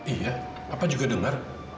iya papa juga dengar